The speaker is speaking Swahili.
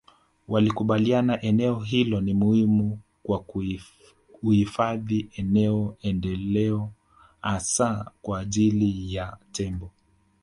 walikubaliana eneo hilo ni muhimu kwa uhifadhi eneo endeleo hasa kwa ajili ya tembo